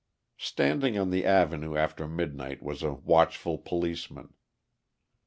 Standing on the avenue after midnight was a watchful policeman.